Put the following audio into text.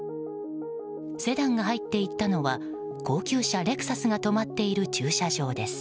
セダンが入っていったのは高級車レクサスが止まっている駐車場です。